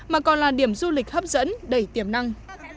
mà còn là điểm du lịch hấp dẫn đầy tiềm năng